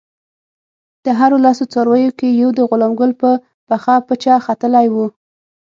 د هرو لسو څارویو کې یو د غلام ګل په پخه پچه ختلی وو.